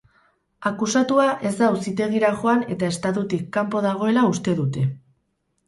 Akusatua ez da auzitegira joan eta estatutik kanpo dagoela uste dute.